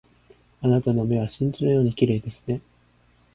あなたの目は真珠のように綺麗ですね